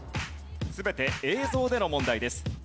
全て映像での問題です。